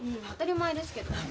当たり前ですけど。